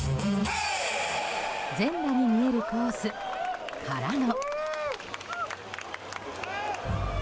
全裸に見えるポーズからの。